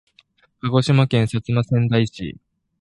鹿児島県薩摩川内市